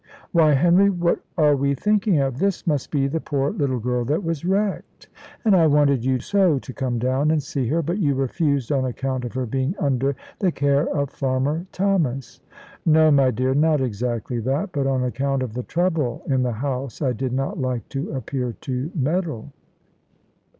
"Why, Henry, what are we thinking of? This must be the poor little girl that was wrecked. And I wanted you so to come down and see her; but you refused on account of her being under the care of Farmer Thomas." "No, my dear, not exactly that, but on account of the trouble in the house I did not like to appear to meddle."